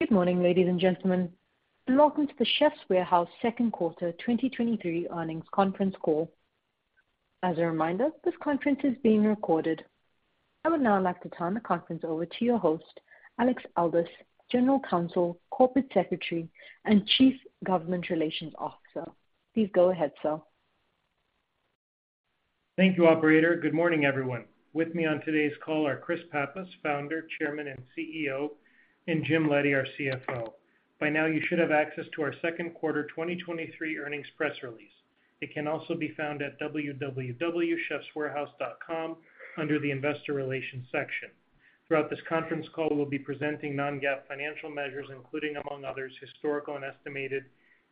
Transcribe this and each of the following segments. Good morning, ladies and gentlemen. Welcome to The Chefs' Warehouse Second Quarter 2023 Earnings Conference Call. As a reminder, this conference is being recorded. I would now like to turn the conference over to your host, Alexandros Aldous, General Counsel, Corporate Secretary, and Chief Government Relations Officer. Please go ahead, sir. Thank you, operator. Good morning, everyone. With me on today's call are Chris Pappas, Founder, Chairman, and CEO, and Jim Leddy, our CFO. By now, you should have access to our second quarter 2023 earnings press release. It can also be found at www.chefswarehouse.com under the Investor Relations section. Throughout this conference call, we'll be presenting non-GAAP financial measures, including, among others, historical and estimated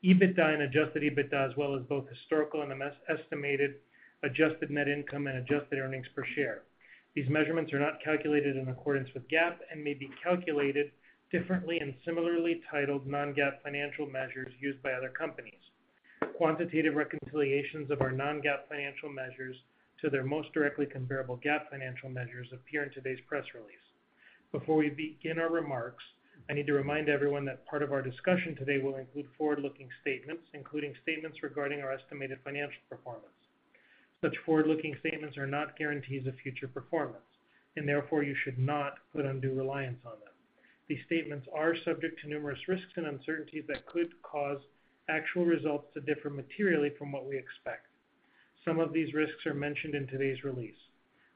EBITDA and adjusted EBITDA, as well as both historical and estimated adjusted net income and adjusted earnings per share. These measurements are not calculated in accordance with GAAP and may be calculated differently in similarly titled non-GAAP financial measures used by other companies. Quantitative reconciliations of our non-GAAP financial measures to their most directly comparable GAAP financial measures appear in today's press release. Before we begin our remarks, I need to remind everyone that part of our discussion today will include forward-looking statements, including statements regarding our estimated financial performance. Such forward-looking statements are not guarantees of future performance, therefore you should not put undue reliance on them. These statements are subject to numerous risks and uncertainties that could cause actual results to differ materially from what we expect. Some of these risks are mentioned in today's release.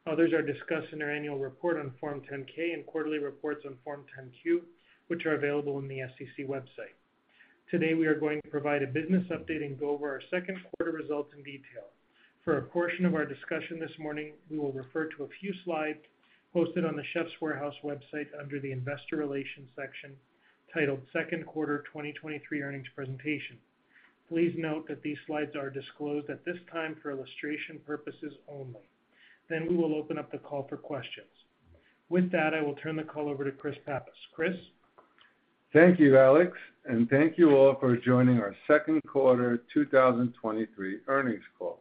Others are discussed in our annual report on Form 10-K and quarterly reports on Form 10-Q, which are available on the SEC website. Today, we are going to provide a business update and go over our second-quarter results in detail. For a portion of our discussion this morning, we will refer to a few slides posted on The Chefs' Warehouse website under the Investor Relations section, titled Second Quarter 2023 Earnings Presentation. Please note that these slides are disclosed at this time for illustration purposes only. We will open up the call for questions. With that, I will turn the call over to Chris Pappas. Chris? Thank you, Alex, and thank you all for joining our Second Quarter 2023 Earnings Call.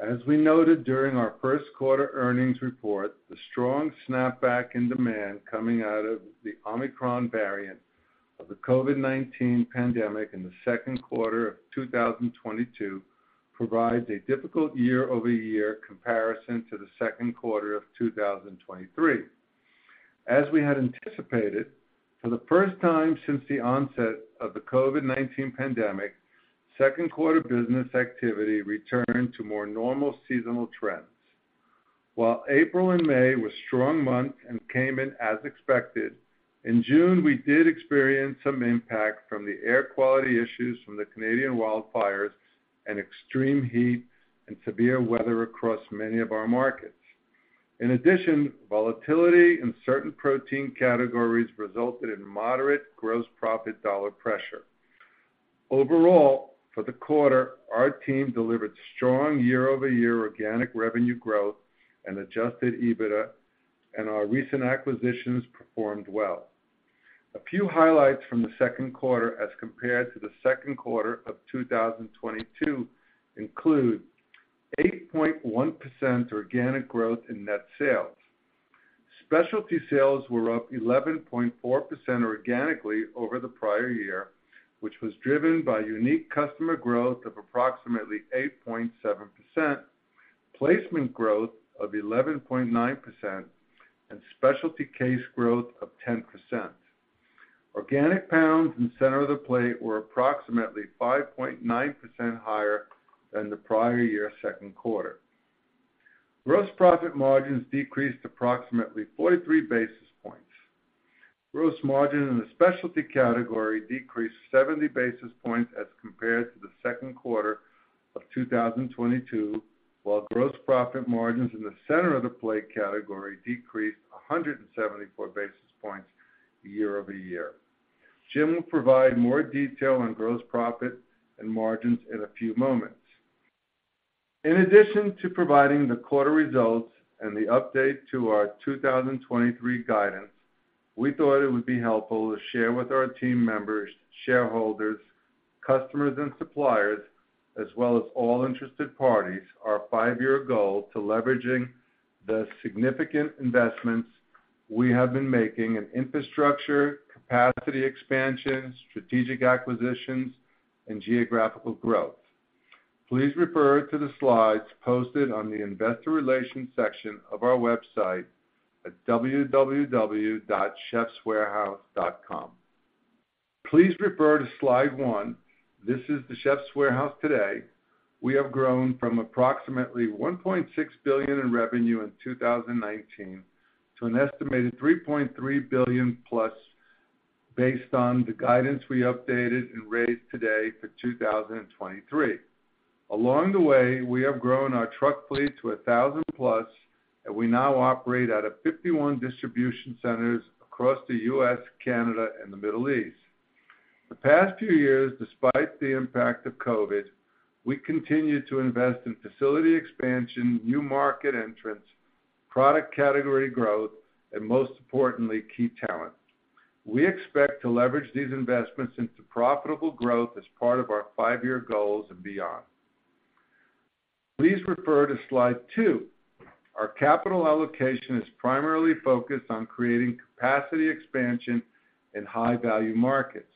As we noted during our first quarter earnings report, the strong snapback in demand coming out of the Omicron variant of the COVID-19 pandemic in the second quarter of 2022 provides a difficult year-over-year comparison to the second quarter of 2023. As we had anticipated, for the first time since the onset of the COVID-19 pandemic, second-quarter business activity returned to more normal seasonal trends. While April and May were strong months and came in as expected, in June, we did experience some impact from the air quality issues from the Canadian wildfires and extreme heat and severe weather across many of our markets. In addition, volatility in certain protein categories resulted in moderate gross profit dollar pressure. Overall, for the quarter, our team delivered strong year-over-year organic revenue growth and adjusted EBITDA. Our recent acquisitions performed well. A few highlights from the second quarter as compared to the second quarter of 2022 include 8.1% organic growth in net sales. Specialty sales were up 11.4% organically over the prior year, which was driven by unique customer growth of approximately 8.7%, placement growth of 11.9%, and specialty case growth of 10%. Organic pounds in center of the plate were approximately 5.9% higher than the prior year second quarter. Gross profit margins decreased approximately 43 basis points. Gross margin in the specialty category decreased 70 basis points as compared to the second quarter of 2022, while gross profit margins in the center of the plate category decreased 174 basis points year-over-year. Jim will provide more detail on gross profit and margins in a few moments. In addition to providing the quarter results and the update to our 2023 guidance, we thought it would be helpful to share with our team members, shareholders, customers, and suppliers, as well as all interested parties, our 5-year goal to leveraging the significant investments we have been making in infrastructure, capacity expansion, strategic acquisitions, and geographical growth. Please refer to the slides posted on the Investor Relations section of our website at www.chefswarehouse.com. Please refer to slide 1. This is The Chefs' Warehouse today. We have grown from approximately $1.6 billion in revenue in 2019 to an estimated $3.3 billion+ based on the guidance we updated and raised today for 2023. Along the way, we have grown our truck fleet to 1,000+, and we now operate out of 51 distribution centers across the U.S., Canada, and the Middle East. The past few years, despite the impact of COVID, we continued to invest in facility expansion, new market entrants, product category growth, and most importantly, key talent. We expect to leverage these investments into profitable growth as part of our 5-year goals and beyond. Please refer to slide 2. Our capital allocation is primarily focused on creating capacity expansion in high-value markets.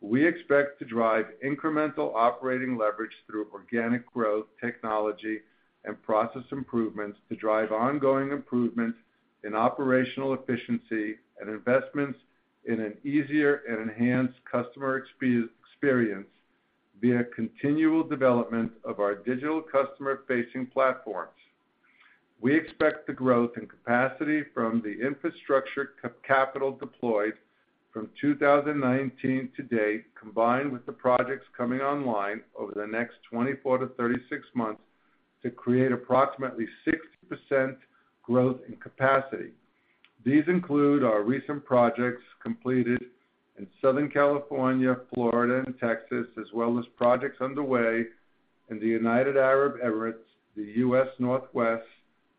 We expect to drive incremental operating leverage through organic growth, technology, and process improvements to drive ongoing improvement in operational efficiency and investments in an easier and enhanced customer experience via continual development of our digital customer-facing platforms. We expect the growth and capacity from the infrastructure capital deployed from 2019 to date, combined with the projects coming online over the next 24-36 months, to create approximately 60% growth in capacity. These include our recent projects completed in Southern California, Florida, and Texas, as well as projects underway in the United Arab Emirates, the U.S. Northwest,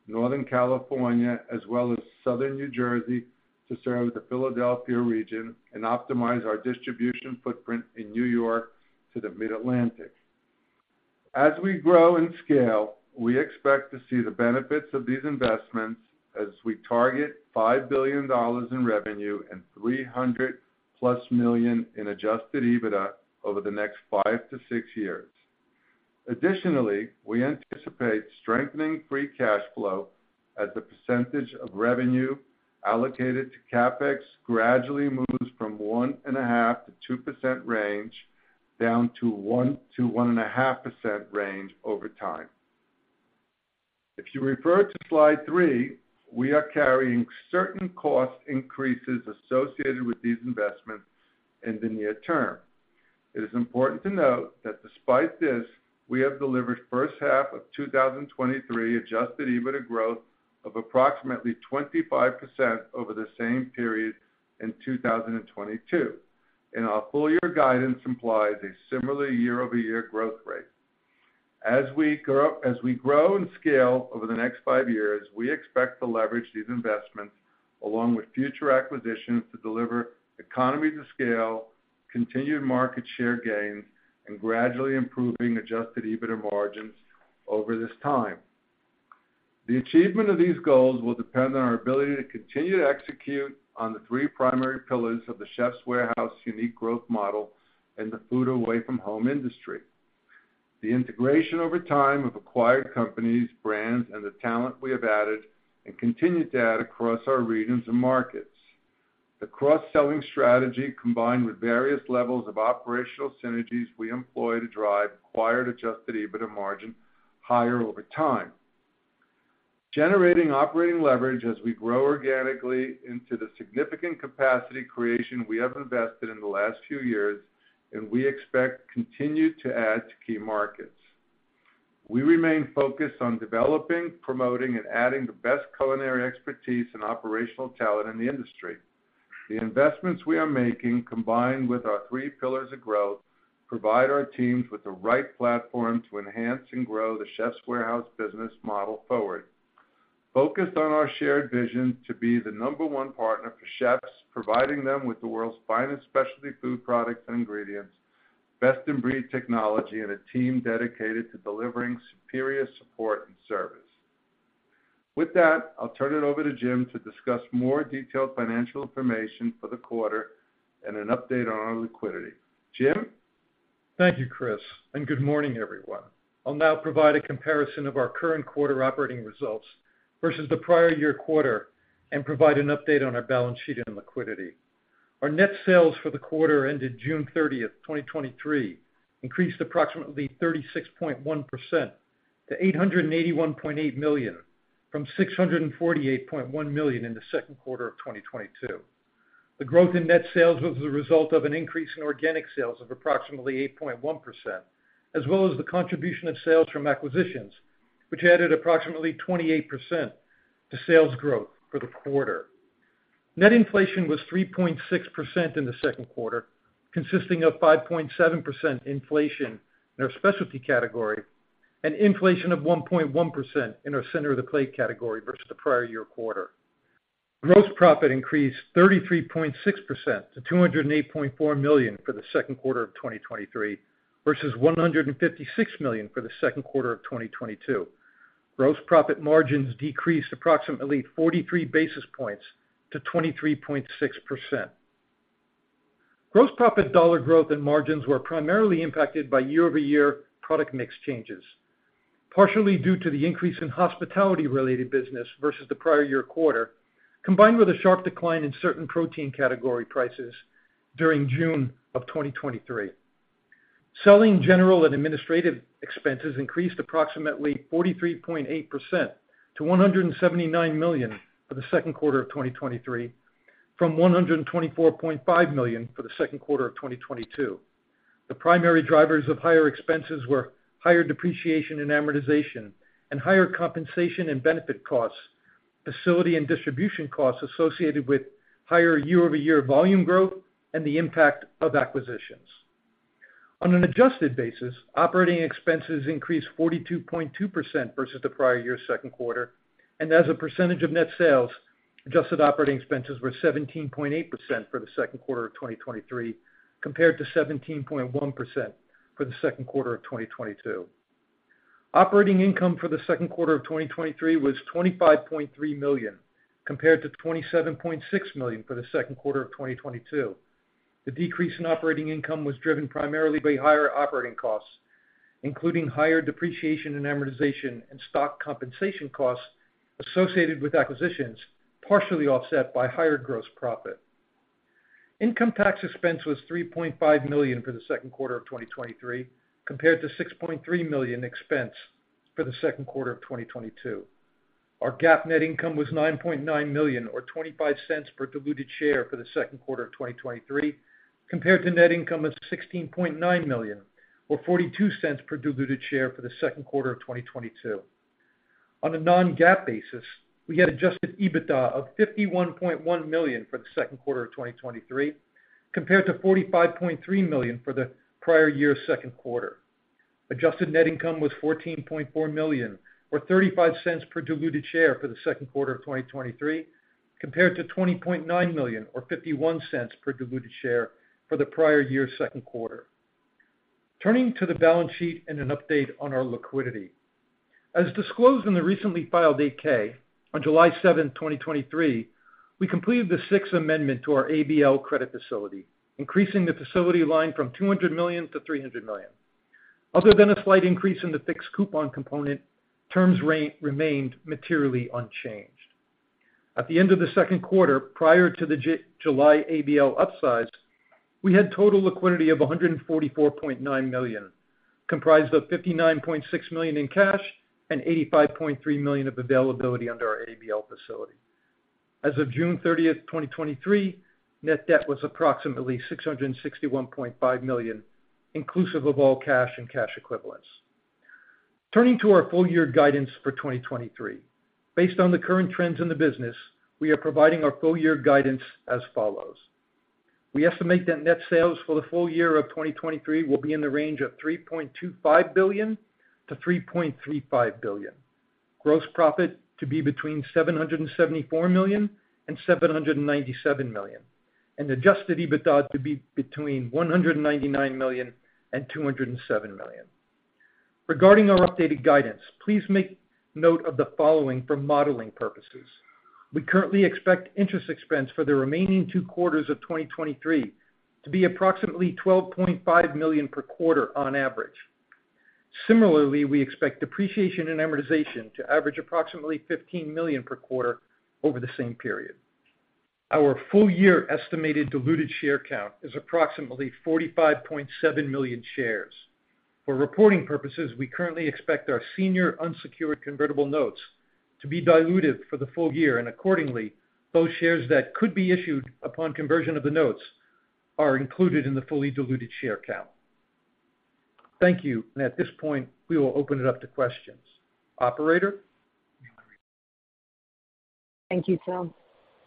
Northern California, and Southern New Jersey to serve the Philadelphia region and optimize our distribution footprint in New York to the Mid-Atlantic. As we grow and scale, we expect to see the benefits of these investments as we target $5 billion in revenue and $300+ million in adjusted EBITDA over the next 5-6 years. Additionally, we anticipate strengthening free cash flow as the percentage of revenue allocated to CapEx gradually moves from 1.5%-2% range, down to 1%-1.5% range over time. If you refer to slide 3, we are carrying certain cost increases associated with these investments in the near term. It is important to note that despite this, we have delivered first half of 2023 adjusted EBITDA growth of approximately 25% over the same period in 2022, and our full year guidance implies a similar year-over-year growth rate. As we grow, as we grow and scale over the next five years, we expect to leverage these investments, along with future acquisitions, to deliver economies of scale, continued market share gains, and gradually improving adjusted EBITDA margins over this time. The achievement of these goals will depend on our ability to continue to execute on the three primary pillars of The Chefs' Warehouse unique growth model in the food-away-from-home industry. The integration over time of acquired companies, brands, and the talent we have added and continue to add across our regions and markets. The cross-selling strategy, combined with various levels of operational synergies we employ to drive acquired adjusted EBITDA margin higher over time. Generating operating leverage as we grow organically into the significant capacity creation we have invested in the last few years, and we expect continue to add to key markets. We remain focused on developing, promoting, and adding the best culinary expertise and operational talent in the industry. The investments we are making, combined with our three pillars of growth, provide our teams with the right platform to enhance and grow The Chefs' Warehouse business model forward. Focused on our shared vision to be the number one partner for chefs, providing them with the world's finest specialty food products and ingredients, best-in-breed technology, and a team dedicated to delivering superior support and service. With that, I'll turn it over to Jim to discuss more detailed financial information for the quarter and an update on our liquidity. Jim? Thank you, Chris. Good morning, everyone. I'll now provide a comparison of our current quarter operating results versus the prior year quarter and provide an update on our balance sheet and liquidity. Our net sales for the quarter ended June 30, 2023, increased approximately 36.1% to $881.8 million, from $648.1 million in the 2Q 2022. The growth in net sales was the result of an increase in organic sales of approximately 8.1%, as well as the contribution of sales from acquisitions, which added approximately 28% to sales growth for the quarter. Net inflation was 3.6% in the second quarter, consisting of 5.7% inflation in our specialty category and inflation of 1.1% in our center of the plate category versus the prior year quarter. Gross profit increased 33.6% to $208.4 million for the second quarter of 2023, versus $156 million for the second quarter of 2022. Gross profit margins decreased approximately 43 basis points to 23.6%. Gross profit dollar growth and margins were primarily impacted by year-over-year product mix changes, partially due to the increase in hospitality-related business versus the prior year quarter, combined with a sharp decline in certain protein category prices during June of 2023. Selling, general, and administrative expenses increased approximately 43.8% to $179 million for the second quarter of 2023, from $124.5 million for the second quarter of 2022. The primary drivers of higher expenses were higher depreciation and amortization, and higher compensation and benefit costs, facility and distribution costs associated with higher year-over-year volume growth and the impact of acquisitions. On an adjusted basis, operating expenses increased 42.2% versus the prior year's second quarter, and as a percentage of net sales. Adjusted operating expenses were 17.8% for the second quarter of 2023, compared to 17.1% for the second quarter of 2022. Operating income for the second quarter of 2023 was $25.3 million, compared to $27.6 million for the second quarter of 2022. The decrease in operating income was driven primarily by higher operating costs, including higher depreciation and amortization and stock compensation costs associated with acquisitions, partially offset by higher gross profit. Income tax expense was $3.5 million for the second quarter of 2023, compared to $6.3 million expense for the second quarter of 2022. Our GAAP net income was $9.9 million, or $0.25 per diluted share for the second quarter of 2023, compared to net income of $16.9 million, or $0.42 per diluted share for the second quarter of 2022. On a non-GAAP basis, we had adjusted EBITDA of $51.1 million for the second quarter of 2023, compared to $45.3 million for the prior year's second quarter. Adjusted net income was $14.4 million, or $0.35 per diluted share for the second quarter of 2023, compared to $20.9 million or $0.51 per diluted share for the prior year's second quarter. Turning to the balance sheet and an update on our liquidity. As disclosed in the recently filed Form 8-K, on July 7, 2023, we completed the sixth amendment to our ABL credit facility, increasing the facility line from $200 million to $300 million. Other than a slight increase in the fixed coupon component, terms remained materially unchanged. At the end of the second quarter, prior to the July ABL upsize, we had total liquidity of $144.9 million, comprised of $59.6 million in cash and $85.3 million of availability under our ABL facility. As of June 30th, 2023, net debt was approximately $661.5 million, inclusive of all cash and cash equivalents. Turning to our full-year guidance for 2023. Based on the current trends in the business, we are providing our full-year guidance as follows: We estimate that net sales for the full year of 2023 will be in the range of $3.25 billion to $3.35 billion. Gross profit to be between $774 million and $797 million, and adjusted EBITDA to be between $199 million and $207 million. Regarding our updated guidance, please make note of the following for modeling purposes. We currently expect interest expense for the remaining two quarters of 2023 to be approximately $12.5 million per quarter on average. Similarly, we expect depreciation and amortization to average approximately $15 million per quarter over the same period. Our full-year estimated diluted share count is approximately 45.7 million shares. For reporting purposes, we currently expect our senior unsecured convertible notes to be dilutive for the full year, and accordingly, those shares that could be issued upon conversion of the notes are included in the fully diluted share count. Thank you. At this point, we will open it up to questions. Operator? Thank you, Phil.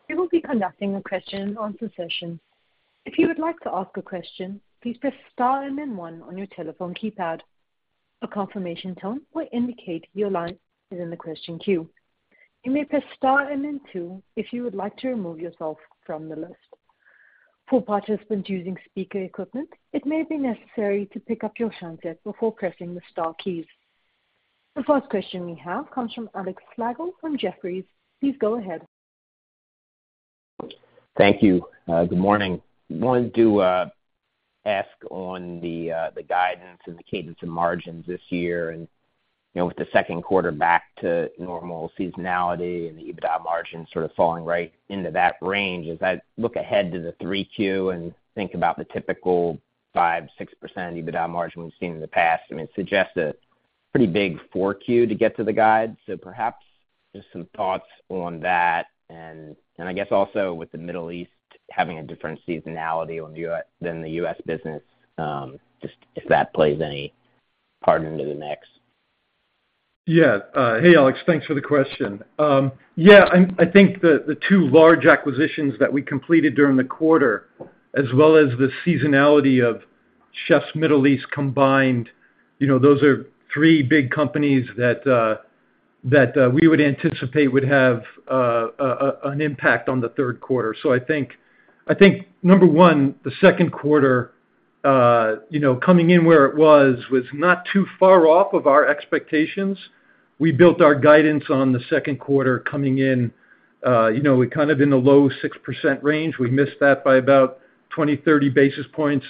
We will be conducting a question-and-answer session. If you would like to ask a question, please press star and then one on your telephone keypad. A confirmation tone will indicate your line is in the question queue. You may press star and then two if you would like to remove yourself from the list. For participants using speaker equipment, it may be necessary to pick up your handset before pressing the star keys. The first question we have comes from Alex Slagle from Jefferies. Please go ahead. Thank you. Good morning. Wanted to ask on the guidance and the cadence and margins this year with the second quarter back to normal seasonality and the EBITDA margin sort of falling right into that range, as I look ahead to the 3Q and think about the typical 5%-6% EBITDA margin we've seen in the past, I mean, it suggests a pretty big 4Q to get to the guide. Perhaps just some thoughts on that, and I guess also with the Middle East having a different seasonality on the U- than the US business, just if that plays any part into the mix? Yeah. Hey, Alex. Thanks for the question. I think the two large acquisitions that we completed during the quarter, as well as the seasonality of Chef Middle East combined those are three big companies that we would anticipate would have an impact on the third quarter. I think number one, the second quarter, you know, coming in where it was not too far off of our expectations. We built our guidance on the second quarter coming in kind of in the low 6% range. We missed that by about 20, 30 basis points.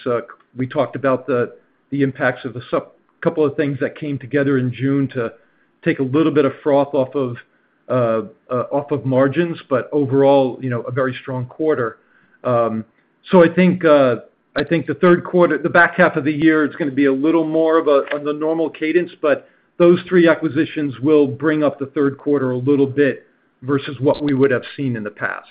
We talked about the impacts of the 2 things that came together in June to take a little bit of froth off of margins. Overall, you know, a very strong quarter. I think, I think the third quarter, the back half of the year, it's gonna be a little more on the normal cadence. Those 3 acquisitions will bring up the third quarter a little bit versus what we would have seen in the past.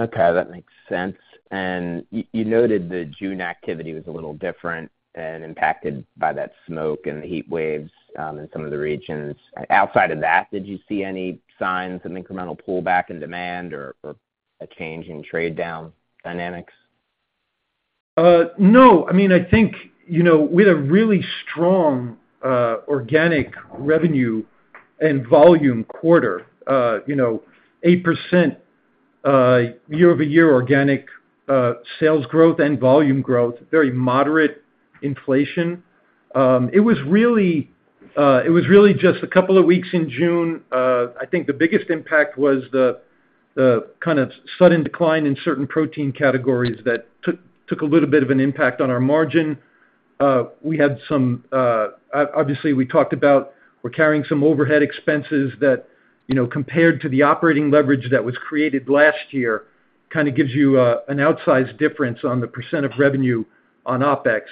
Okay, that makes sense. You noted the June activity was a little different and impacted by that smoke and the heat waves in some of the regions. Outside of that, did you see any signs of incremental pullback in demand or, or a change in trade-down dynamics? We had a really strong organic revenue and volume quarter. You know, 8% year-over-year organic sales growth and volume growth, very moderate inflation. It was really, it was really just a couple of weeks in June. I think the biggest impact was the sudden decline in certain protein categories that took, took a little bit of an impact on our margin. We had some, obviously, we talked about we're carrying some overhead expenses that, you know, compared to the operating leverage that was created last year, kind of gives you an outsized difference on the percent of revenue on OpEx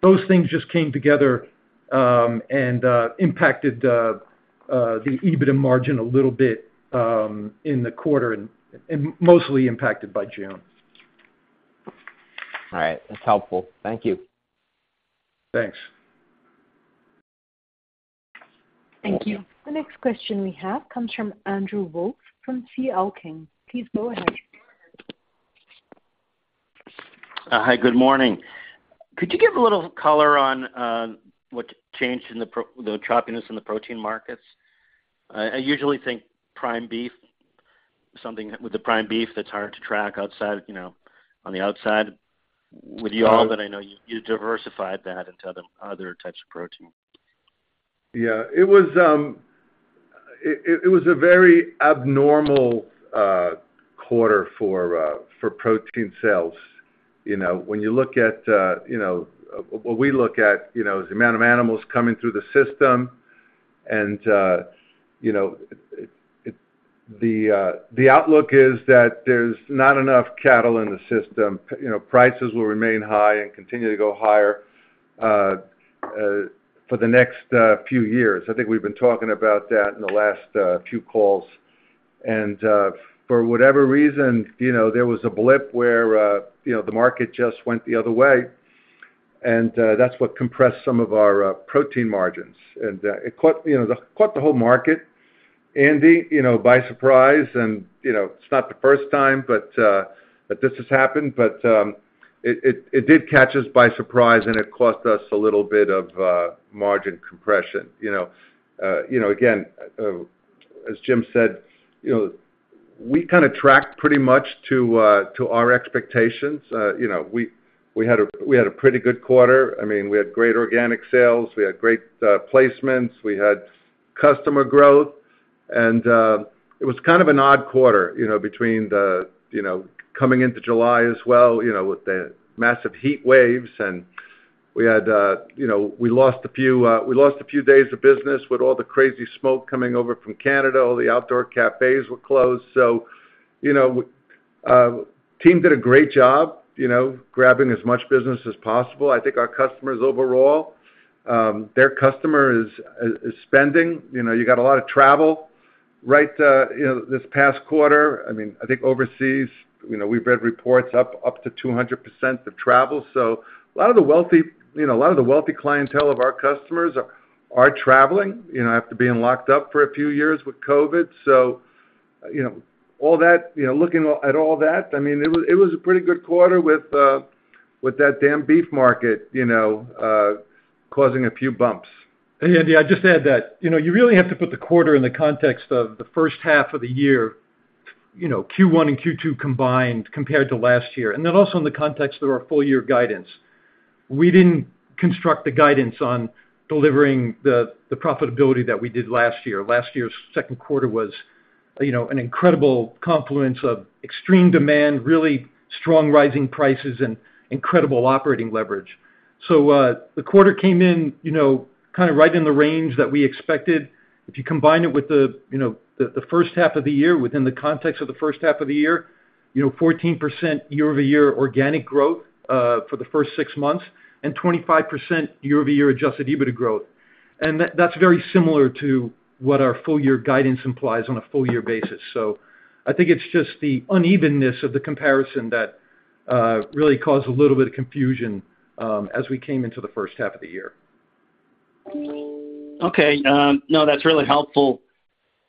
those things just came together, and impacted the the EBITDA margin a little bit, in the quarter and mostly impacted by June. All right. That's helpful. Thank you. Thanks. Thank you. The next question we have comes from Andrew Wolf, from C.L. King. Please go ahead. Hi, good morning. Could you give a little color on what changed in the choppiness in the protein markets? I, I usually think prime beef, something with the prime beef that's hard to track outside, you know, on the outside. With what I know, you diversified that into other, other types of protein. It was a very abnormal quarter for protein sales. When you look at what we look at is the amount of animals coming through the system, and the outlook is that there's not enough cattle in the system. You know, prices will remain high and continue to go higher for the next few years. I think we've been talking about that in the last few calls. For whatever reason there was a blip where the market just went the other way, and that's what compressed some of our protein margins. It caught it caught the whole market, Andy, by surprise and it's not the first time, but this has happened. It did catch us by surprise, and it cost us a little bit of margin compression. As Jim said, you know, we kind of tracked pretty much to our expectations. We had a pretty good quarter. I mean, we had great organic sales. We had great placements. We had customer growth. It was kind of an odd quarter between the coming into July as well with the massive heat waves, and we lost a few, we lost a few days of business with all the crazy smoke coming over from Canada. All the outdoor cafes were closed. Team did a great job, grabbing as much business as possible. I think our customers overall, their customer is spending. You got a lot of travel, right this past quarter. I mean, I think overseas we've read reports up to 200% of travel. A lot of the wealthy, you know, a lot of the wealthy clientele of our customers are traveling after being locked up for a few years with COVID. Looking at all that, I mean, it was a pretty good quarter with that damn beef market causing a few bumps. Andy, I just add that, you know, you really have to put the quarter in the context of the first half of the year Q1 and Q2 combined, compared to last year, and then also in the context of our full year guidance. We didn't construct the guidance on delivering the profitability that we did last year. Last year's second quarter was an incredible confluence of extreme demand, really strong rising prices, and incredible operating leverage. The quarter came in right in the range that we expected. If you combine it with the, you know, the first half of the year, within the context of the first half of the year, you know, 14% year-over-year organic growth, for the first six months, and 25% year-over-year adjusted EBITDA growth. That's very similar to what our full year guidance implies on a full year basis. I think it's just the unevenness of the comparison that really caused a little bit of confusion as we came into the first half of the year. Okay, no, that's really helpful.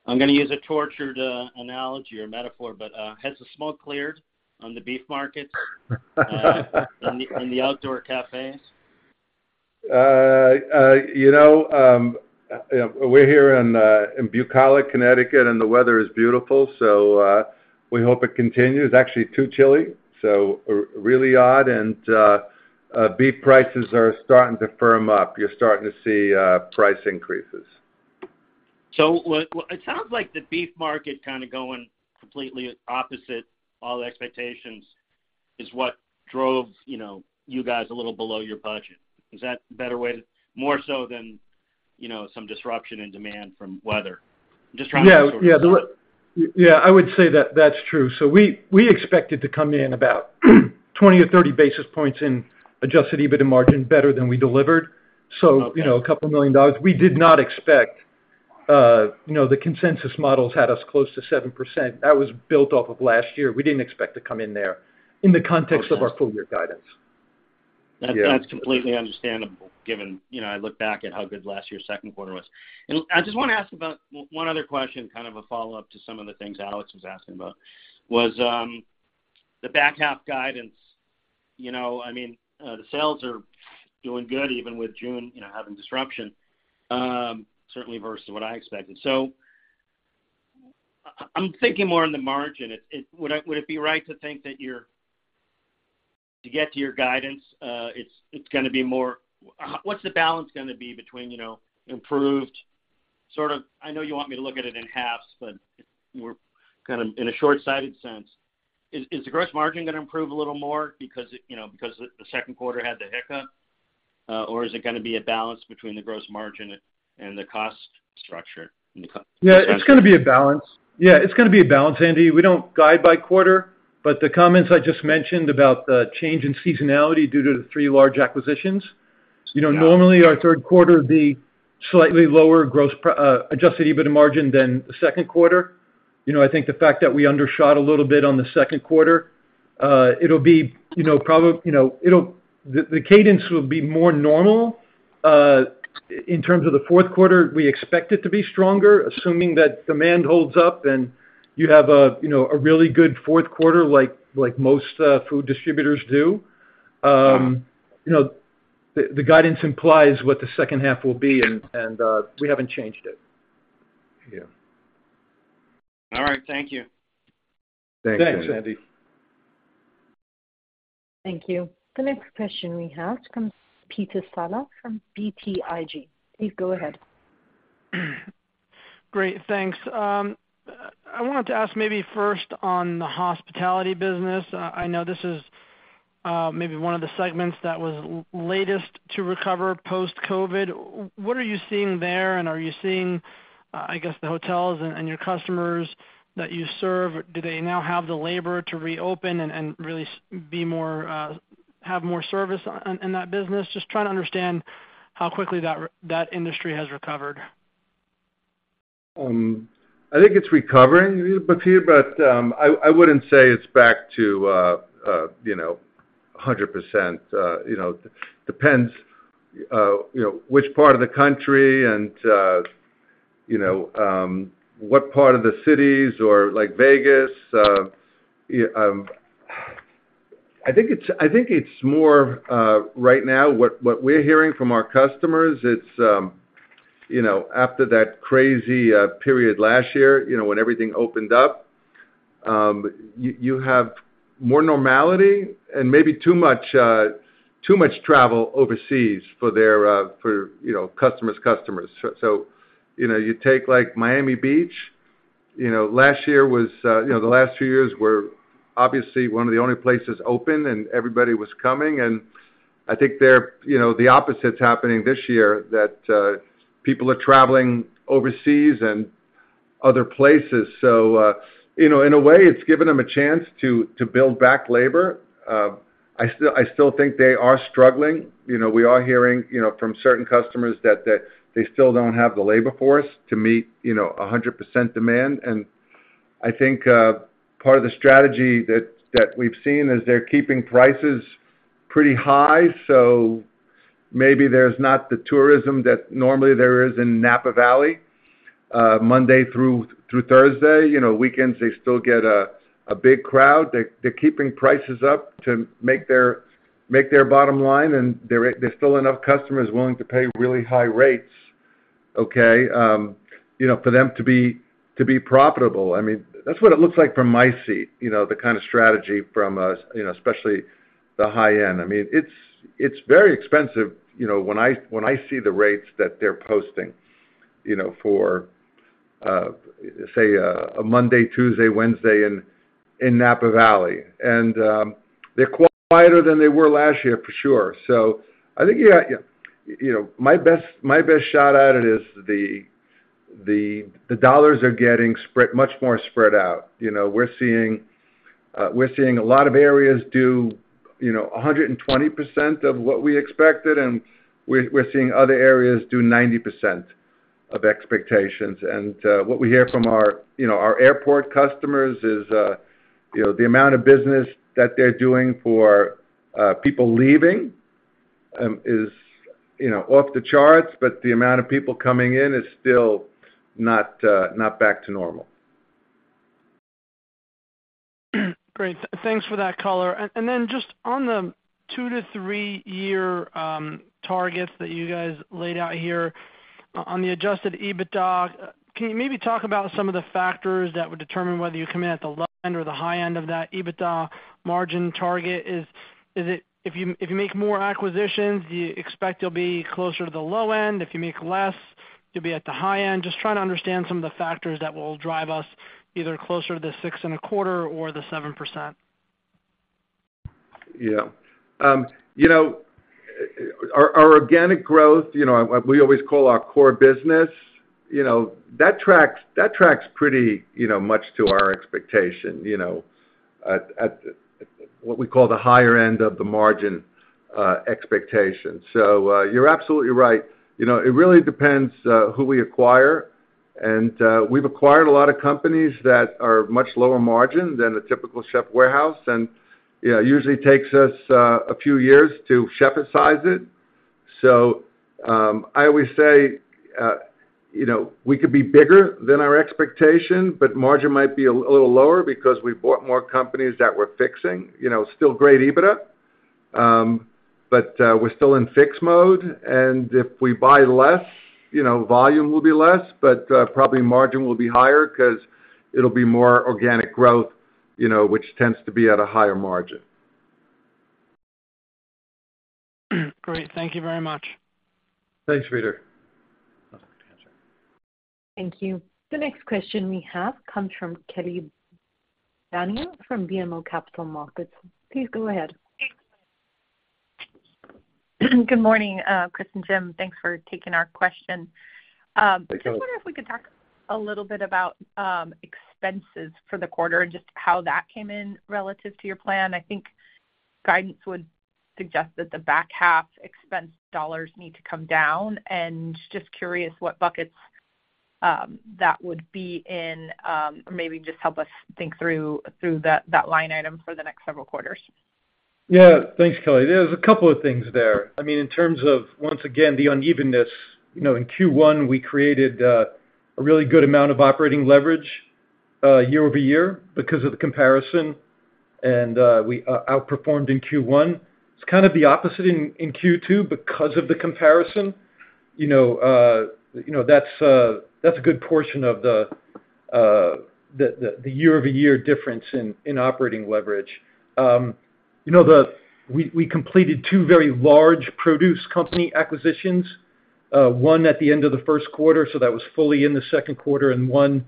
I'm gonna use a tortured, analogy or metaphor, but, has the smoke cleared on the beef market on the outdoor cafes? You know, we're here in bucolic Connecticut, and the weather is beautiful, so we hope it continues. Actually, too chilly, so really odd, and beef prices are starting to firm up. You're starting to see price increases. It sounds like the beef market going completely opposite, all expectations, is what drove, you know, you guys a little below your budget. Is that a better way, more so than some disruption in demand from weather? I would say that that's true. We expected to come in about 20-30 basis points in adjusted EBITDA margin better than we delivered. You know, a couple million dollars. We did not expect, you know, the consensus models had us close to 7%. That was built off of last year. We didn't expect to come in there in the context of our full year guidance. That's completely understandable, given, I look back at how good last year's second quarter was. I just wanna ask about one other question, kind of a follow-up to some of the things Alex was asking about, was the back half guidance. You know, I mean, the sales are doing good, even with June, you know, having disruption, certainly versus what I expected. I'm thinking more on the margin. Would it be right to think that to get to your guidance it's gonna be more. What's the balance gonna be between improved, I know you want me to look at it in halves, but we're kind of in a short-sighted sense, is the gross margin gonna improve a little more because, you know, because the second quarter had the hiccup, or is it gonna be a balance between the gross margin and the cost structure. It's gonna be a balance, Andy. We don't guide by quarter, but the comments I just mentioned about the change in seasonality due to the three large acquisitions. You know, normally our third quarter, has a slightly lower gross adjusted EBITDA margin than the second quarter. You know, I think the fact that we undershot a little bit on the second quarter, it'll be the cadence will be more normal. In terms of the fourth quarter, we expect it to be stronger, assuming that demand holds up and you have a really good fourth quarter, most, food distributors do. The guidance implies what the second half will be, and we haven't changed it. Yeah. All right, thank you. Thanks, Andy. Thank you. The next question we have comes from Peter Saleh from BTIG. Please go ahead. Great, thanks. I wanted to ask maybe first on the hospitality business. I know this is, maybe one of the segments that was latest to recover post-COVID. What are you seeing there, and are you seeing, I guess, the hotels and your customers that you serve, do they now have the labor to reopen and really be more, have more service on, in that business? Just trying to understand how quickly that industry has recovered. I think it's recovering, Peter, but I wouldn't say it's back to 100%. Depends which part of the country and what part of the cities or like Vegas, I think it's more, right now, what we're hearing from our customers, it's after that crazy period last year when everything opened up, you have more normality and maybe too much, too much travel overseas for their customers. You take, like, Miami Beach last year was the last few years were obviously one of the only places open, and everybody was coming, and they're the opposite's happening this year, people are traveling overseas and other places. In a way, it's given them a chance to build back labor. I still think they are struggling. We are hearing from certain customers that they still don't have the labor force to meet 100% demand. Part of the strategy that we've seen is they're keeping prices pretty high, so maybe there's not the tourism that normally there is in Napa Valley, Monday through Thursday. Weekends, they still get a big crowd. They're keeping prices up to make their bottom line, and there's still enough customers willing to pay really high rates, okay, for them to be profitable. That's what it looks like from my seat the kind of strategy from, especially the high end. I mean, it's very expensive when I, when I see the rates that they're posting for, say a Monday, Tuesday, Wednesday in Napa Valley. They're quieter than they were last year, for sure. My best, my best shot at it is the dollars are getting spread, much more spread out. We're seeing a lot of areas do 120% of what we expected, and we're seeing other areas do 90% of expectations. What we hear from our airport customers is, you know, the amount of business that they're doing for, people leaving, is off the charts, but the amount of people coming in is still not back to normal. Great. Thanks for that color. Then just on the 2-3-year targets that you guys laid out here, on the adjusted EBITDA, can you maybe talk about some of the factors that would determine whether you come in at the low end or the high end of that EBITDA margin target? Is it, if you, if you make more acquisitions, do you expect you'll be closer to the low end? If you make less, you'll be at the high end. Just trying to understand some of the factors that will drive us either closer to the 6.25% or the 7%. Our organic growth, you know, what we always call our core business, tracks pretty much to our expectation, you know at what we call the higher end of the margin, expectation. You're absolutely right. You know, it really depends, who we acquire. We've acquired a lot of companies that are much lower margin than a typical Chefs' Warehouse, and it usually takes us a few years to Chef-size it. I always say, you know, we could be bigger than our expectation, but margin might be a little lower because we bought more companies that we're fixing. You know, still great EBITDA, but we're still in fix mode, and if we buy less, you know, volume will be less, but probably margin will be higher 'cause it'll be more organic growth, you know, which tends to be at a higher margin. Great. Thank you very much. Thanks, Peter. Thank you. The next question we have comes from Kelly Bania from BMO Capital Markets. Please go ahead. Good morning, Chris and Jim. Thanks for taking our question. I was wondering if we could talk a little bit about expenses for the quarter and just how that came in relative to your plan. I think guidance would suggest that the back half expense dollars need to come down, and just curious what buckets that would be in, or maybe just help us think through, through that line item for the next several quarters. Thanks, Kelly. There's a couple of things there. I mean, in terms of, once again, the unevenness, you know, in Q1, we created a really good amount of operating leverage year-over-year because of the comparison, and we outperformed in Q1. It's kind of the opposite in Q2 because of the comparison. You know, that's a good portion of the year-over-year difference in operating leverage. The we completed two very large produce company acquisitions, one at the end of the first quarter, so that was fully in the second quarter, and one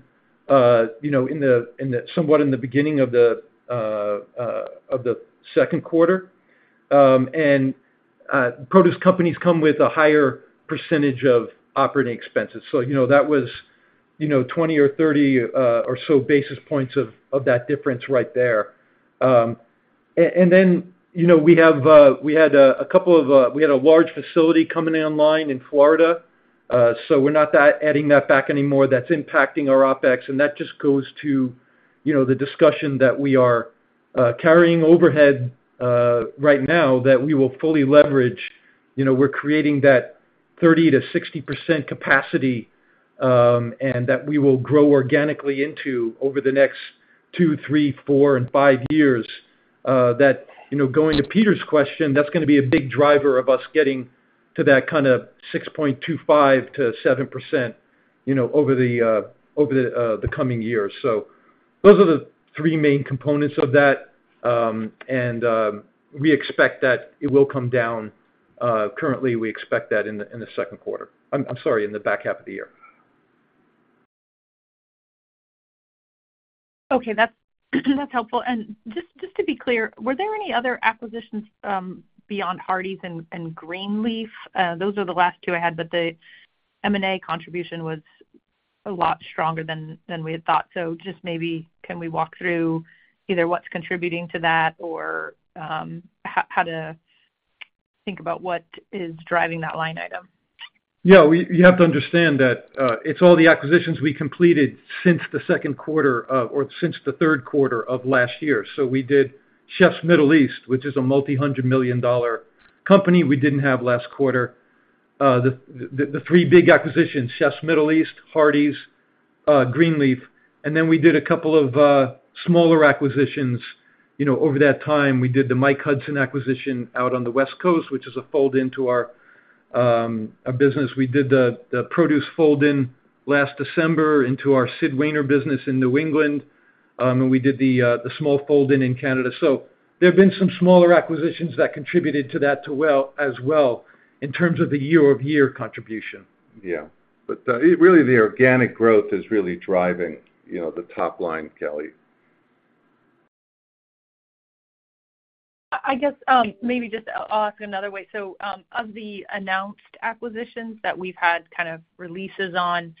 in the, somewhat in the beginning of the second quarter. And produce companies come with a higher % of operating expenses. That was 20 or 30 or so basis points of that difference right there. We have a couple of, we had a large facility coming online in Florida, so we're not that adding that back anymore. That's impacting our OpEx, and that just goes to, you know, the discussion that we are carrying overhead right now, that we will fully leverage. You know, we're creating that 30%-60% capacity, and that we will grow organically into over the next two, three, four, and five years. That, you know, going to Peter's question, that's gonna be a big driver of us getting to that kind of 6.25%-7%, you know, over the coming years. Those are the three main components of that. We expect that it will come down. Currently, we expect that in the, in the second quarter. I'm sorry, in the back half of the year. Okay, that's helpful. Just, just to be clear, were there any other acquisitions, beyond Hardie's and Greenleaf? Those are the last two I had, the M&A contribution was a lot stronger than we had thought. Just maybe, can we walk through either what's contributing to that or, how to think about what is driving that line item? You have to understand that it's all the acquisitions we completed since the 2nd quarter of last year, or since the 3rd quarter of last year. We did Chef Middle East, which is a multi-hundred-million-dollar company we didn't have last quarter. The three big acquisitions were Chef Middle East, Hardie's, Greenleaf, then we did two smaller acquisitions. You know, over that time, we did the Mike Hudson acquisition out on the West Coast, which is a fold into our a business. We did the produce fold in last December into our Sid Wainer business in New England, we did the small fold in Canada. There have been some smaller acquisitions that contributed to that as well in terms of the year-over-year contribution. Yeah, really, the organic growth is really driving, you know, the top line, Kelly. I, I guess, maybe just, I'll ask another way. Of the announced acquisitions that we've had kind of releases on,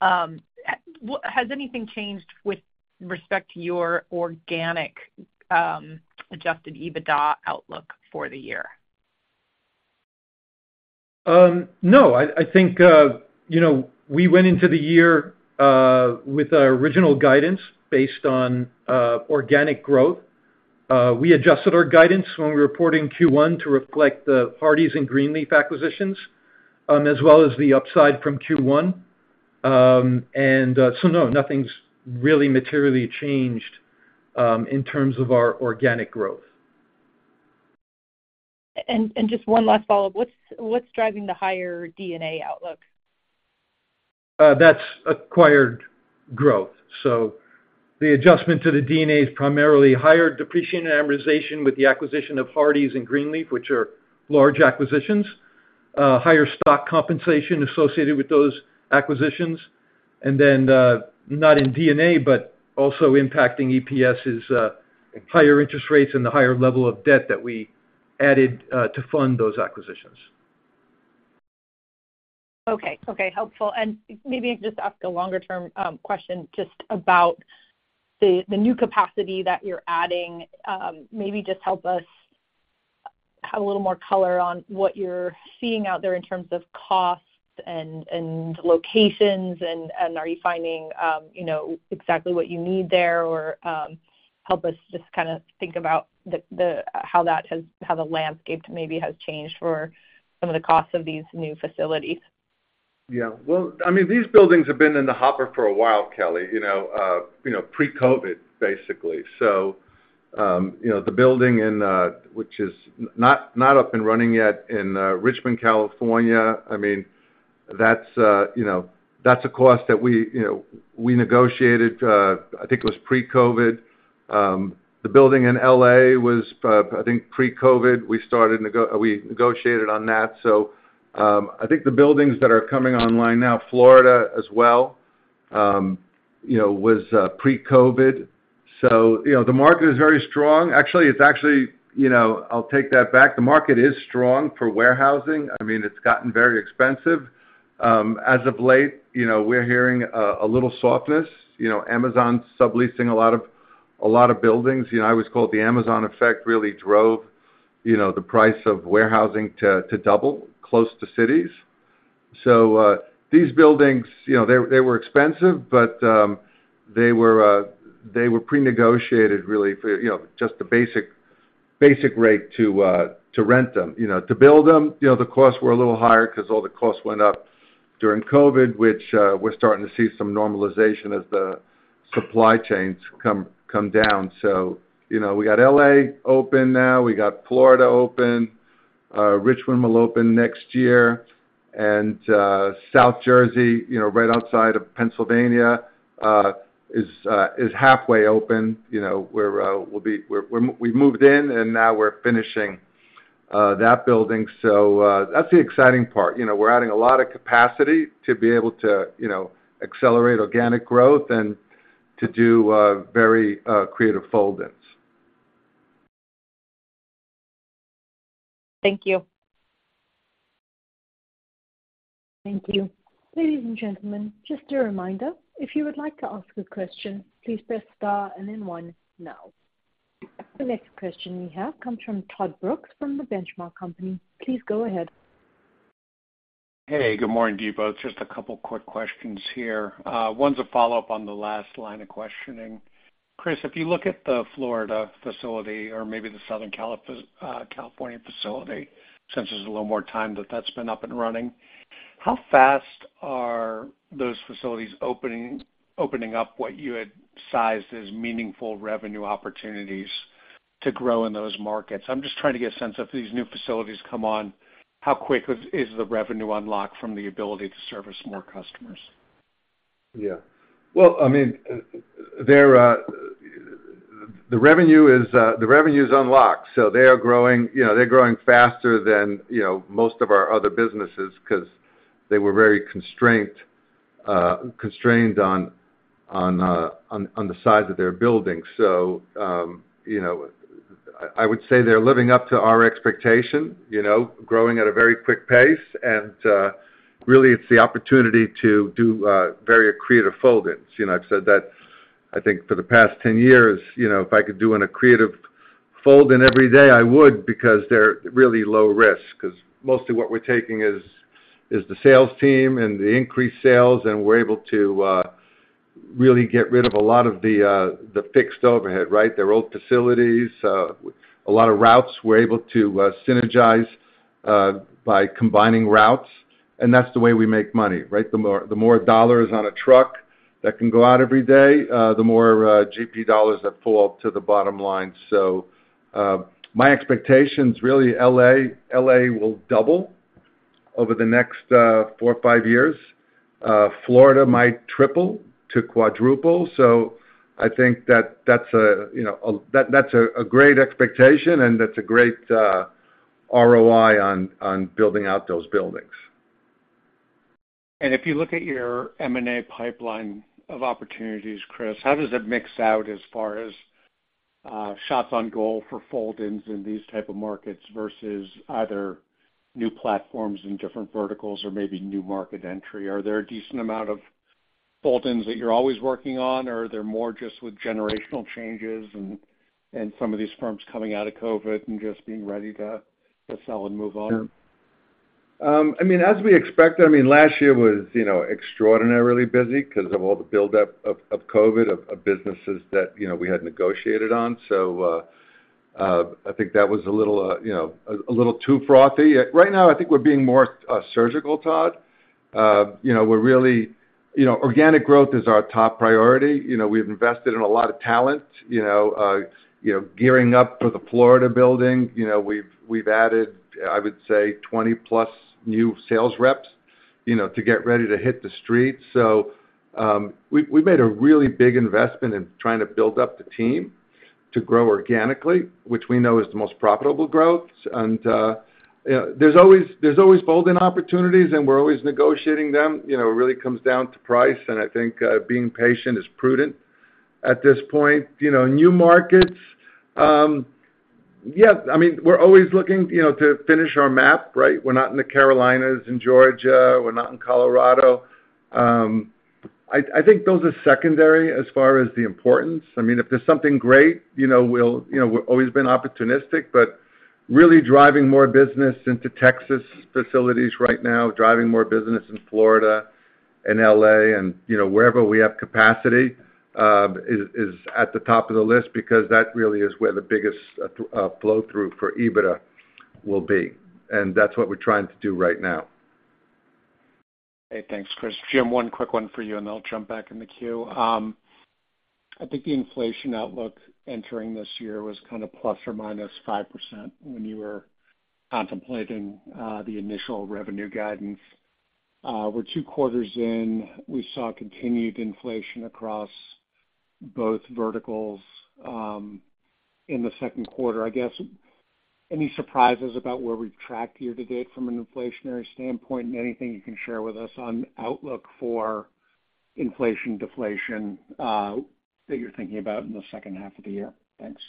has anything changed with respect to your organic, adjusted EBITDA outlook for the year? No, I, I think, you know, we went into the year with our original guidance based on organic growth. We adjusted our guidance when we reported in Q1 to reflect the Hardie's and Greenleaf acquisitions, as well as the upside from Q1. So no, nothing's really materially changed in terms of our organic growth. Just one last follow-up. What's, what's driving the higher D&A outlook? That's acquired growth. The adjustment to the D&A is primarily higher depreciation and amortization with the acquisition of Hardie's and Greenleaf, which are large acquisitions. Higher stock compensation associated with those acquisitions. Then, not in D&A, but also impacting EPS is higher interest rates and the higher level of debt that we added to fund those acquisitions. Okay, okay, helpful. Maybe just ask a longer-term question just about the new capacity that you're adding. Maybe just help us have a little more color on what you're seeing out there in terms of costs and locations and are you finding, you know, exactly what you need there? Help us just kind of think about how that has, how the landscape maybe has changed for some of the costs of these new facilities. Yeah. Well, I mean, these buildings have been in the hopper for a while, Kelly, pre-COVID, basically. The building in, which is not up and running yet in Richmond, California, I mean, that's a cost that we negotiated, I think it was pre-COVID. The building in L.A. was, I think pre-COVID. We started we negotiated on that. I think the buildings that are coming online now, Florida as well, you know, was pre-COVID. You know, the market is very strong. Actually, it's actually, you know, I'll take that back. The market is strong for warehousing. I mean, it's gotten very expensive. As of late, you know, we're hearing a little softness. You know, Amazon's subleasing a lot of buildings. I always call it the Amazon effect, really drove the price of warehousing to double close to cities. These buildings they were expensive, but, they were prenegotiated really for just the basic, basic rate to rent them. To build them the costs were a little higher because all the costs went up during COVID, which, we're starting to see some normalization as the supply chains come down. You know, we got L.A. open now, we got Florida open, Richmond will open next year, South Jersey right outside of Pennsylvania, is halfway open. We moved in, and now we're finishing that building. That's the exciting part. You know, we're adding a lot of capacity to be able to accelerate organic growth and to do, very, creative fold-ins. Thank you. Thank you. Ladies and gentlemen, just a reminder, if you would like to ask a question, please press star and then 1 now. The next question we have comes from Todd Brooks from The Benchmark Company. Please go ahead. Hey, good morning to you both. Just a couple quick questions here. One's a follow-up on the last line of questioning. Chris, if you look at the Florida facility or maybe the Southern California facility, since there's a little more time that that's been up and running, how fast are those facilities opening, opening up what you had sized as meaningful revenue opportunities to grow in those markets? I'm just trying to get a sense of, these new facilities come on, how quick is, is the revenue unlocked from the ability to service more customers? \The revenue is the revenue is unlocked, so they are growing they're growing faster than most of our other businesses 'cause they were very constrained on, on the size of their buildings. I would say they're living up to our expectation growing at a very quick pace, and really, it's the opportunity to do very creative fold-ins. I've said that, I think, for the past 10 years if I could do in a creative fold-in every day, I would because they're really low risk. 'Cause mostly what we're taking is, is the sales team and the increased sales, and we're able to really get rid of a lot of the fixed overhead, right? Their old facilities, a lot of routes we're able to synergize by combining routes, that's the way we make money, right? The more, the more dollars on a truck that can go out every day, the more GP dollars that fall to the bottom line. My expectations, really, L.A. will double over the next four or five years. Florida might triple to quadruple. I think that's a great expectation, and that's a great ROI on building out those buildings. If you look at your M&A pipeline of opportunities, Chris, how does it mix out as far as shots on goal for fold-ins in these type of markets versus either new platforms in different verticals or maybe new market entry? Are there a decent amount of fold-ins that you're always working on, or are there more just with generational changes and some of these firms coming out of COVID and just being ready to sell and move on? Sure. I mean, as we expected, I mean, last year was extraordinarily busy because of all the buildup of COVID, of businesses that we had negotiated on. I think that was a little too frothy. Right now, I think we're being more surgical, Todd. You know, organic growth is our top priority. We've invested in a lot of talent gearing up for the Florida building. We've added, I would say, 20+ new sales reps to get ready to hit the street. We made a really big investment in trying to build up the team to grow organically, which we know is the most profitable growth. There's always fold-in opportunities, and we're always negotiating them. You know, it really comes down to price, and I think being patient is prudent at this point. New markets, we're always looking to finish our map, right? We're not in the Carolinas and Georgia, we're not in Colorado. I, I think those are secondary as far as the importance. I mean, if there's something great, we've always been opportunistic, but really driving more business into Texas facilities right now, driving more business in Florida and LA, and, you know, wherever we have capacity is at the top of the list because that really is where the biggest flow-through for EBITDA will be. That's what we're trying to do right now. Hey, thanks, Chris. Jim, one quick one for you, and then I'll jump back in the queue. I think the inflation outlook entering this year was kind of ±5% when you were contemplating the initial revenue guidance. We're two quarters in, we saw continued inflation across both verticals in the second quarter. I guess, any surprises about where we've tracked year to date from an inflationary standpoint? Anything you can share with us on outlook for inflation, deflation, that you're thinking about in the second half of the year? Thanks.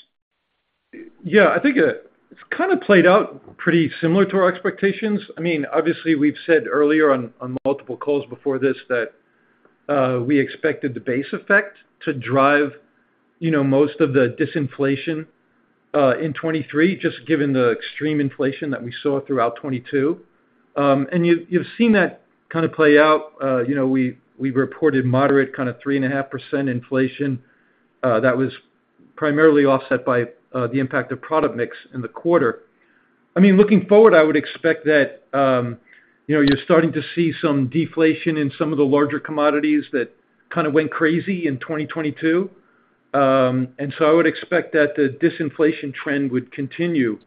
Yeah, I think, it's kind of played out pretty similar to our expectations. I mean, obviously, we've said earlier on, on multiple calls before this, that, we expected the base effect to drive, you know, most of the disinflation, in 2023, just given the extreme inflation that we saw throughout 2022. You've, you've seen that kind of play out. You know, we, we've reported moderate kind of 3.5% inflation, that was primarily offset by, the impact of product mix in the quarter. I mean, looking forward, I would expect that, you know, you're starting to see some deflation in some of the larger commodities that kind of went crazy in 2022. I would expect that the disinflation trend would continue.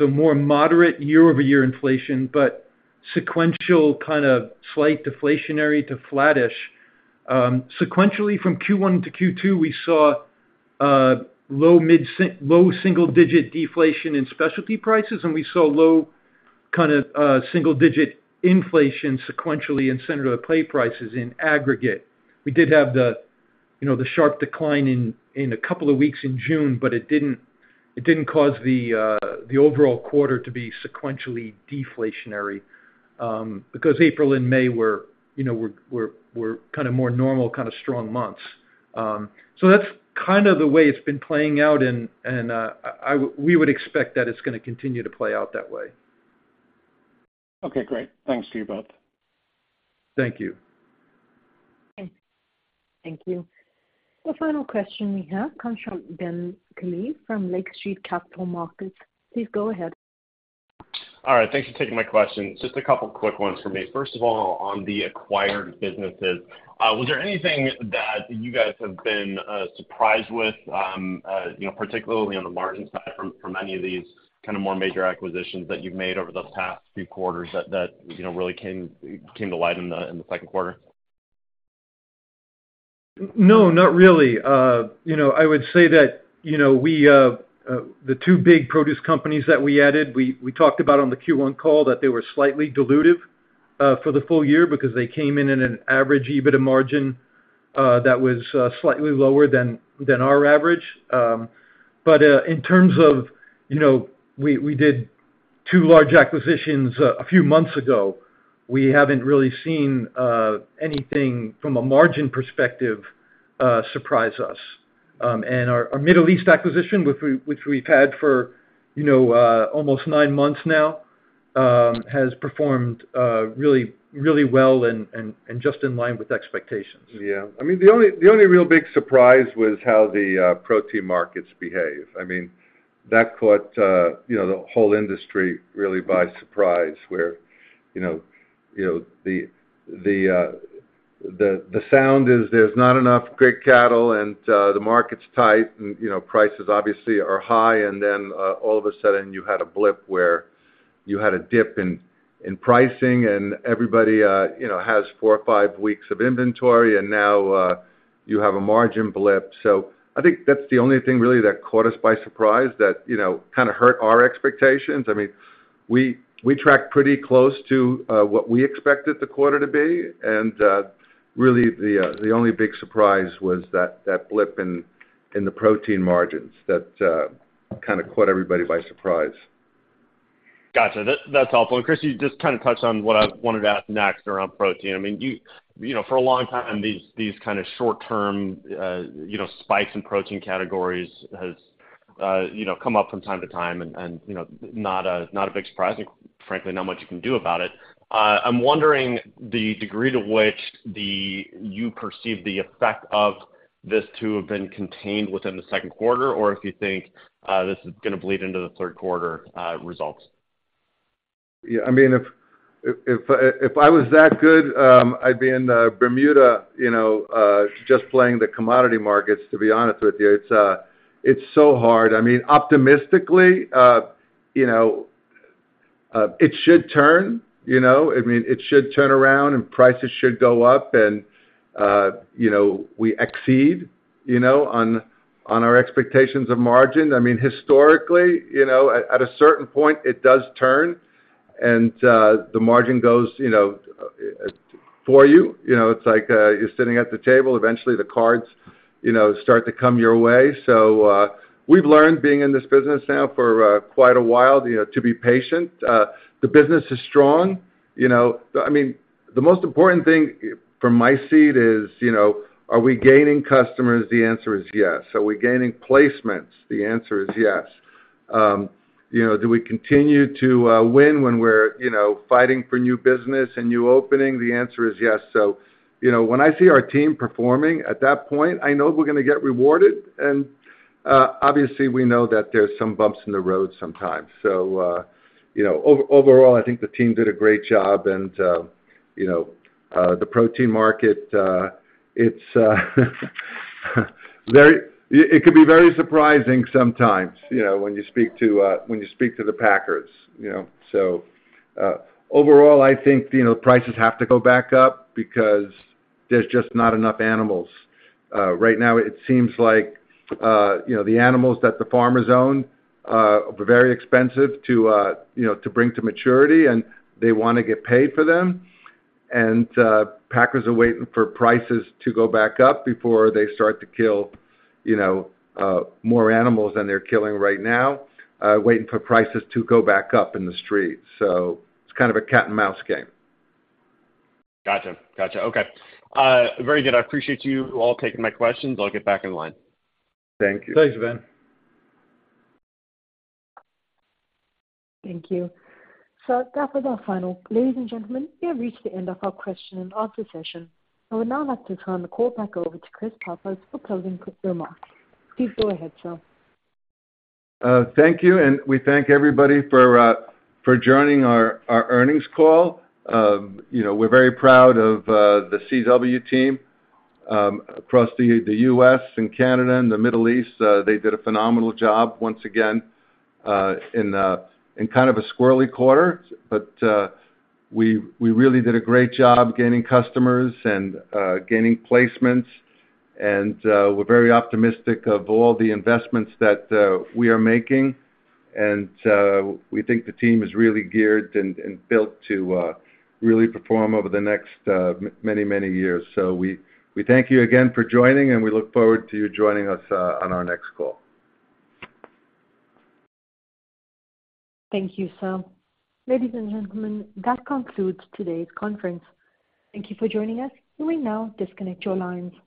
More moderate year-over-year inflation, but sequential kind of slight deflationary to flattish. Sequentially, from Q1 to Q2, we saw low mid-low single-digit deflation in specialty prices, and we saw low single-digit inflation sequentially in center of the plate prices in aggregate. We did have the, you know, the sharp decline in a couple of weeks in June, but it didn't cause the overall quarter to be sequentially deflationary because April and May were kind of more normal, kind of strong months. That's kind of the way it's been playing out, and we would expect that it's gonna continue to play out that way. Okay, great. Thanks to you both. Thank you. Okay. Thank you. The final question we have comes from Ben Klieve from Lake Street Capital Markets. Please go ahead. All right, thanks for taking my question. Just a couple of quick ones from me. First of all, on the acquired businesses, was there anything that you guys have been surprised with particularly on the margin side from any of these kind of more major acquisitions that you've made over the past few quarters that really came to light in the second quarter? No, not really. I would say that we, the two big produce companies that we added, we talked about on the Q1 call that they were slightly dilutive, for the full year because they came in with an average EBITDA margin, that was slightly lower than our average. We did two large acquisitions few months ago. We haven't really seen anything from a margin perspective, surprise us. Our Middle East acquisition which we've had for almost nine months now, has performed really, really well and just in line with expectations. I mean, the only real big surprise was how the protein markets behave. I mean, that caught, you know, the whole industry really by surprise, where the sound is there's not enough great cattle and the market's tight, and, you know, prices obviously are high. All of a sudden, you had a blip where you had a dip in pricing and everybody has 4 or 5 weeks of inventory, and now, you have a margin blip. I think that's the only thing really that caught us by surprise that hurt our expectations. I mean, we tracked pretty close to what we expected the quarter to be, and really the only big surprise was that blip in the protein margins that kind of caught everybody by surprise. Gotcha. That's helpful. Chris, you just kind of touched on what I wanted to ask next around protein. I mean, for a long time, these short-term spikes in protein categories has, you know, come up from time to time and not a big surprise, and frankly, not much you can do about it. I'm wondering the degree to which you perceive the effect of this to have been contained within the second quarter, or if you think this is gonna bleed into the third quarter results. I mean, if I was that good, I'd be in Bermuda just playing the commodity markets, to be honest with you. It's so hard. I mean, optimistically it should turn, you know? I mean, it should turn around, and prices should go up and we exceed on our expectations of margin. I mean, historically, at a certain point, it does turn, and the margin goes for you. It's like, you're sitting at the table, eventually, the cards start to come your way. We've learned being in this business now for quite a while to be patient. The business is strong, you know. I mean, the most important thing from my seat is are we gaining customers? The answer is yes. Are we gaining placements? The answer is yes. You know, do we continue to win when we're fighting for new business and new opening? The answer is yes. You know, when I see our team performing at that point, I know we're gonna get rewarded. Obviously, we know that there's some bumps in the road sometimes. You know, overall, I think the team did a great job and, you know, the protein market, it could be very surprising sometimes when you speak to, when you speak to the packers. Overall, prices have to go back up because there's just not enough animals. Right now, it seems like, you know, the animals that the farmers own, were very expensive to, you know, to bring to maturity, and they wanna get paid for them. Packers are waiting for prices to go back up before they start to kill, you know, more animals than they're killing right now, waiting for prices to go back up in the street. It's kind of a cat-and-mouse game. Gotcha. Gotcha. Okay. Very good. I appreciate you all taking my questions. I'll get back in line. Thank you. Thanks, Ben. Thank you. That was our final. Ladies and gentlemen, we have reached the end of our question and answer session. I would now like to turn the call back over to Chris Pappas for closing remarks. Please go ahead, sir. Thank you, and we thank everybody for joining our earnings call. You know, we're very proud of the CW team across the US and Canada and the Middle East. They did a phenomenal job once again in a kind of a squirrely quarter, but we really did a great job gaining customers and gaining placements. We're very optimistic of all the investments that we are making. We think the team is really geared and built to really perform over the next many, many years. We thank you again for joining, and we look forward to you joining us on our next call. Thank you, sir. Ladies and gentlemen, that concludes today's conference. Thank you for joining us. You may now disconnect your lines.